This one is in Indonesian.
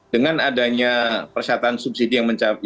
dengan adanya persyaratan subsidi yang mencapai